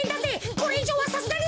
これいじょうはさすがに。